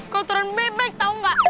kotoran bebek tau gak